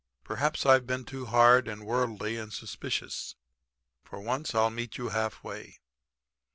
Perhaps I've been too hard and worldly and suspicious. For once I'll meet you half way.